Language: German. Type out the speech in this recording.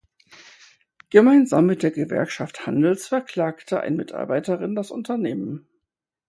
Gemeinsam mit der Gewerkschaft Handels verklagte ein Mitarbeiterin das Unternehmen.